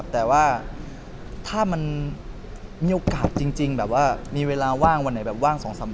แต่ว่าถ้ามันมีโอกาสจริงแบบว่ามีเวลาว่างวันไหนแบบว่าง๒๓วัน